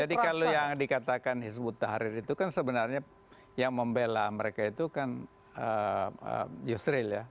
jadi kalau yang dikatakan hizbut tahrir itu kan sebenarnya yang membela mereka itu kan yusril ya